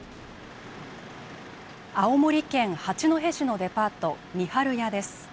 青森県八戸市のデパート、三春屋です。